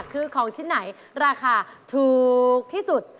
คือของชิ้นไหนราคาถูกที่สุด